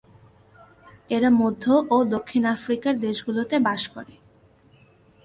এরা মধ্য ও দক্ষিণ আফ্রিকার দেশগুলোতে বাস করে।